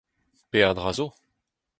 Peadra zo.